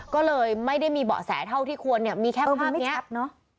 ก็เลยไม่ได้มีเบาะแสเท่าที่ควรมีแค่ภาพนี้